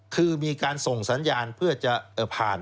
คือมีการส่งสัญญาณเพื่อจะผ่าน